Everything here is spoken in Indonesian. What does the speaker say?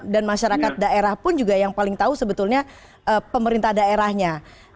dan masyarakat daerah pun juga yang paling tahu sebetulnya pemerintah daerahnya